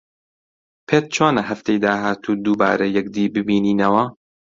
پێت چۆنە هەفتەی داهاتوو دووبارە یەکدی ببینینەوە؟